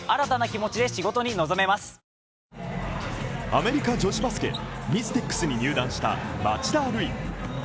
アメリカ女子バスケミステックスに入団した町田瑠唯。